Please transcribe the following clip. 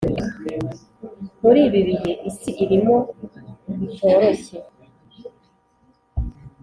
muri ibi bihe Isi irimo bitoroshye.